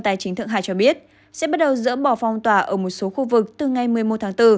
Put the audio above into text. tài chính thượng hải cho biết sẽ bắt đầu dỡ bỏ phong tỏa ở một số khu vực từ ngày một mươi một tháng bốn